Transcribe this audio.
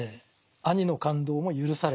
兄の勘当も許されるんですね。